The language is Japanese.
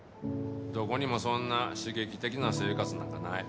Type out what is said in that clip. どこにもそんな刺激的な生活なんかない。